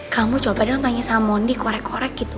kamu coba dong tanya sama mondi korek korek gitu